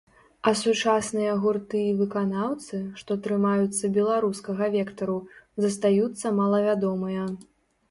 А сучасныя гурты і выканаўцы, што трымаюцца беларускага вектару, застаюцца малавядомыя.